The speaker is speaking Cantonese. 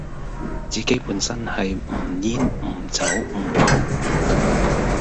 自己本身係唔煙唔酒唔浦